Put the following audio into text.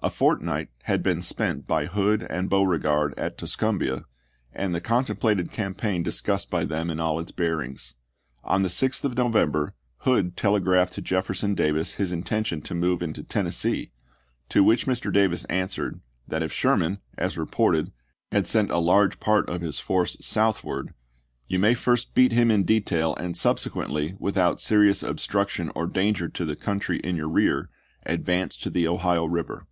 A fortnight had been spent by Hood and Beau regard at Tuscumbia and the contemplated cam paign discussed by them in all its bearings. On 1864. the 6th of November Hood telegraphed to Jefferson Davis his intention to move into Tennessee, to which Mr. Davis answered, that if Sherman, as re ported, had " sent a large part of his force southward, Hood, y°u may nrs^ beat him in detail and subsequently, "Aandnce without serious obstruction or danger to the coun p. 273.' try in your rear, advance to the Ohio River."